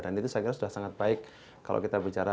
dan itu saya kira sudah sangat baik kalau kita bicara